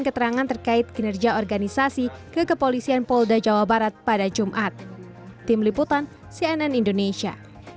keterangan terkait kinerja organisasi ke kepolisian polda jawa barat pada jumat tim liputan cnn indonesia